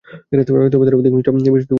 তবে তার অধিক মিষ্ট বিষয়টি অধিক তিক্ত।